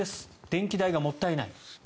電気代がもったいない。